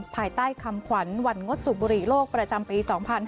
ภายใต้คำขวัญวันงดสูบบุหรี่โลกประจำปี๒๕๕๙